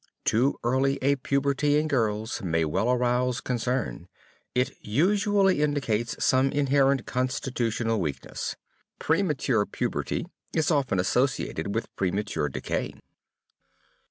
Too early a puberty in girls may well arouse concern. It usually indicates some inherent constitutional weakness. Premature puberty is often associated with premature decay.